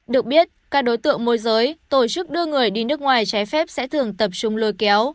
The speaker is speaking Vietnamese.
được biết các đối tượng môi giới tổ chức đưa người đi nước ngoài trái phép sẽ thường tập trung lôi kéo